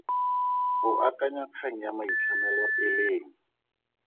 O akanya kgang ya maitlhamelo e le eng?